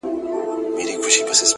په يبلو پښو روان سو,